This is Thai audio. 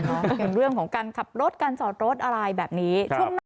อย่างเรื่องของการขับรถการสอดรถอะไรแบบนี้